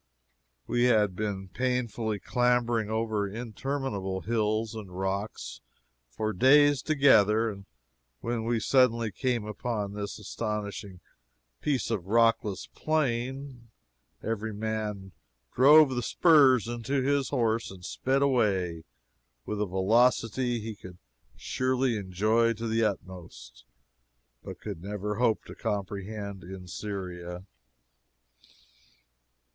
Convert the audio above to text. We had been painfully clambering over interminable hills and rocks for days together, and when we suddenly came upon this astonishing piece of rockless plain, every man drove the spurs into his horse and sped away with a velocity he could surely enjoy to the utmost, but could never hope to comprehend in Syria.